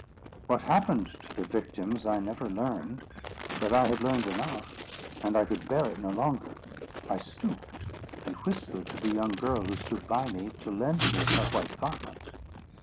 What happened to the victims, I never learned; but I had learned enough, and I could bear it no longer. I stooped, and whispered to the young girl who stood by me, to lend me her white garment.